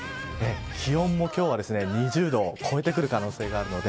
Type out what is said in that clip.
気温も今日は２０度を超えてくる可能性があります。